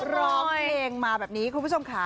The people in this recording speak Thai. ร้องเพลงมาแบบนี้คุณผู้ชมค่ะ